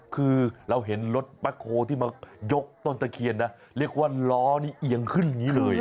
คือเราเห็นรถปะโคที่มายกต้นตะเขียนเรียกว่าร้อนี่เอียงขึ้นนี่เลย